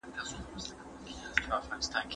رښتينی خوب الهي نعمت دی.